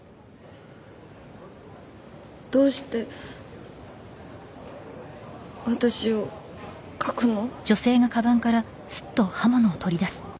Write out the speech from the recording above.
どうして私を書くの？